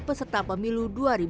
peserta pemilu dua ribu dua puluh